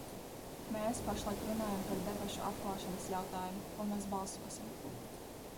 Mēs pašlaik runājam par debašu atklāšanas jautājumu, un mēs balsosim.